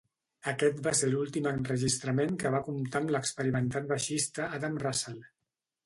Aquest va ser l'últim enregistrament que va comptar amb l'experimentat baixista Adam Russell.